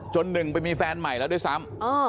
หนึ่งไปมีแฟนใหม่แล้วด้วยซ้ำ